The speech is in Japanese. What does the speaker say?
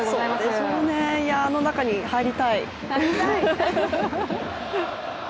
そうでしょうね、あの中に入りたい。